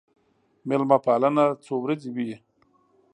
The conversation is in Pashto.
مېلمه پالنه څو ورځې وي.